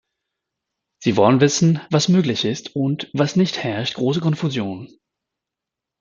Sie wollen wissen, was möglich ist und was nichtherrscht große Konfusion.